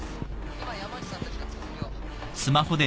今山内さんたちが追跡を。